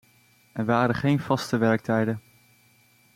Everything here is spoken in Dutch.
Er waren geen vaste werktijden.